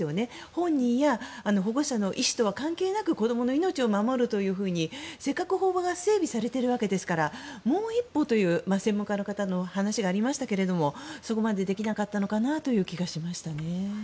本人や保護者の意思とは関係なく子どもの命を守るとせっかく法が整備されているわけですからもう一歩という専門家のお話がありましたがそこまでできなかったのかなという気がしましたね。